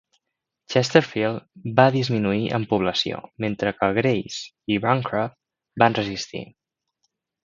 Chesterfield va disminuir en població, mentre que Grace i Bancroft van resistir.